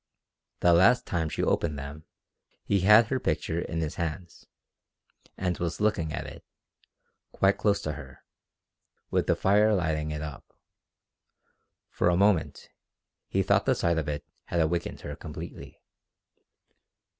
The last time she opened them he had her picture in his hands, and was looking at it, quite close to her, with the fire lighting it up. For a moment he thought the sight if it had awakened her completely.